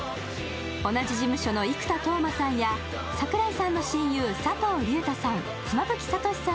同じ事務所の生田斗真さんや、櫻井さんの親友、佐藤隆太さん